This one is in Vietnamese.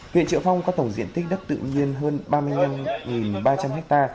huyện triệu phong có tổng diện tích đất tự nhiên hơn ba mươi năm ba trăm linh ha